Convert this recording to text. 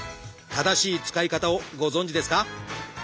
正しい使い方をご存じですか？